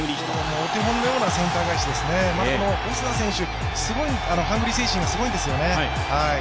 お手本のようなセンター返しですね、オスナ選手、ハングリー精神がすごいんですよね。